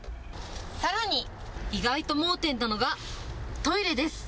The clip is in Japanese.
さらに、意外と盲点なのがトイレです。